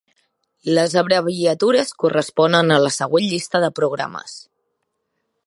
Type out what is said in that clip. Les abreviatures corresponen a la següent llista de programes.